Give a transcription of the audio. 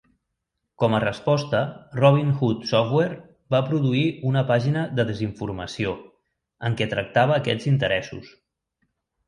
Com a resposta, Robin Hood Software va produir una "pàgina de desinformació" en què tractava aquests interessos.